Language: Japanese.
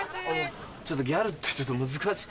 ちょっとギャルってちょっと難しい。